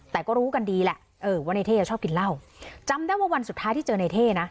แต่ก็รู้กันดีแหละเออว่าในเท่ชอบกินเหล้าจำได้ว่าวันสุดท้ายที่เจอในเท่นะ